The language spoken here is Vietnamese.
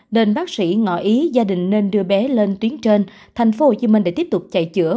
đền bác sĩ ngỏ ý gia đình nên đưa bé lên tuyến trên thành phố hồ chí minh để tiếp tục chạy chữa